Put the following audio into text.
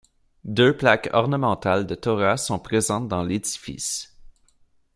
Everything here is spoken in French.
Deux plaques ornementales de Torah sont présentes dans l’édifice.